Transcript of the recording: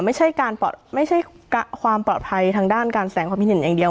ไม่ใช่การไม่ใช่ความปลอดภัยทางด้านการแสงความคิดเห็นอย่างเดียว